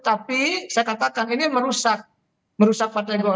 tapi saya katakan ini merusak partai golkar